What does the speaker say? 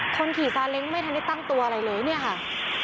คนขี่ซาเล้งไม่ทันได้ตั้งตัวอะไรเลยเนี่ยค่ะ